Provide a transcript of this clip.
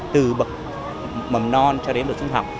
từ bậc mầm non cho đến đội trung học